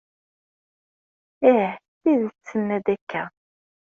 Ih, d tidet tenna-d akka.